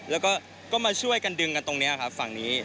แล้วก็มาช่วยกันดึงกันตรงนี้ครับฝั่งนี้